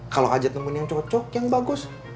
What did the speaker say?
kalau ajat nemenin yang cocok yang bagus